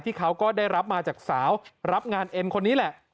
เขาก็ได้รับมาจากสาวรับงานเอ็นคนนี้แหละ